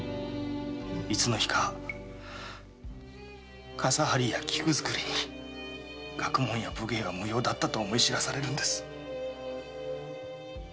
いつの日か傘張りや菊作りに学問や武芸は無用だったと思い知らされるんです。